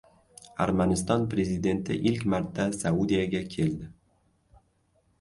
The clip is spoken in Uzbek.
Armaniston prezidenti ilk marta Saudiyaga keldi